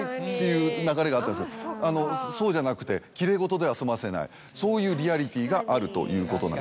っていう流れがあったんですけどそうじゃなくてきれい事では済ませないそういうリアリティーがあると。